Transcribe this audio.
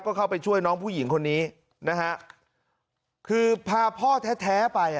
ก็เข้าไปช่วยน้องผู้หญิงคนนี้คือพาพ่อแท้ไป